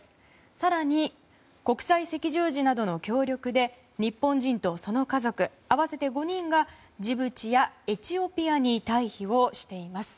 更に、国際赤十字などの協力で日本人とその家族合わせて５人がジブチやエチオピアに退避をしています。